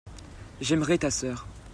j'aimerai ta sœur.